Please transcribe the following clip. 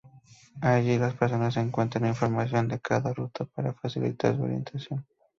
Allí, las personas encuentran información de cada ruta para facilitar su orientación.